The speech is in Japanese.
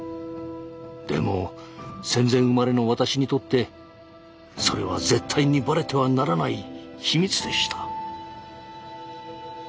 でも戦前生まれの私にとってそれは絶対にバレてはならない秘密でした。